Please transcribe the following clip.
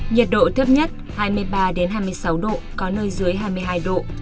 nhiệt độ thấp nhất hai mươi ba hai mươi sáu độ có nơi dưới hai mươi hai độ